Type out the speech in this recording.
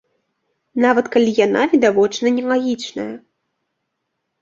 Нават калі яна відавочна нелагічная.